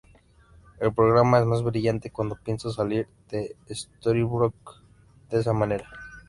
El programa es más brillante cuando piensa salir de Storybrooke de esa manera.